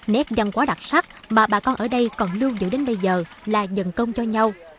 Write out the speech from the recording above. nét văn hóa đặc sắc mà bà con ở đây còn lưu giữ đến bây giờ là dần công cho nhau